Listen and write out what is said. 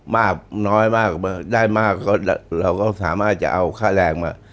มากน้อยมากได้มากก็เราก็สามารถจะเอาค่าแรงมา